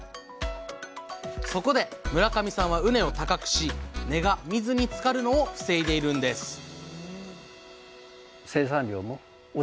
そこで村上さんは畝を高くし根が水につかるのを防いでいるんです